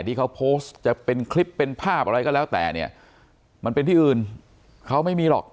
ที่เขาโพสต์จะเป็นคลิปเป็นภาพอะไรก็แล้วแต่เนี่ยมันเป็นที่อื่นเขาไม่มีหรอก